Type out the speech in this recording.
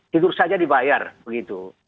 tidur saja dibayar begitu